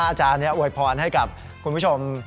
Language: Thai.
อาจารย์นี้อวยพรให้กับคุณผู้ชม